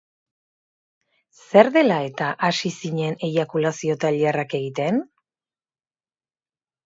Zer dela-eta hasi zinen eiakulazio-tailerrak egiten?